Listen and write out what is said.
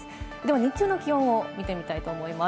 日中の気温を見ていきたいと思います。